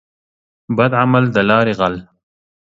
بد عمل دلاري غل.